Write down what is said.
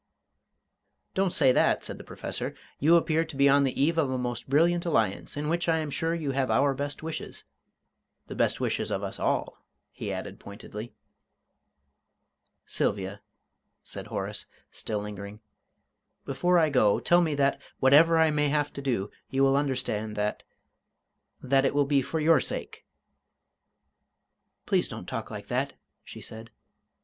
"Don't say that," said the Professor; "you appear to be on the eve of a most brilliant alliance, in which I am sure you have our best wishes the best wishes of us all," he added pointedly. "Sylvia," said Horace, still lingering, "before I go, tell me that, whatever I may have to do, you will understand that that it will be for your sake!" "Please don't talk like that," she said.